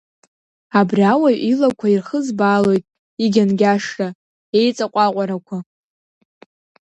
Абри ауаҩ илақәа ирхызбаалоит игьангьашра, иеиҵаҟәаҟәарақәа.